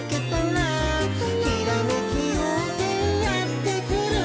「ひらめきようせいやってくる」